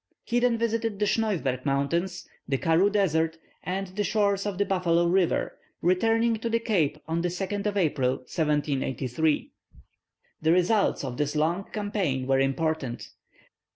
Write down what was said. He then visited the Schneuwberg mountains, the Karroo desert and the shores of the Buffalo River, returning to the Cape on the 2nd April, 1783. The results of this long campaign were important.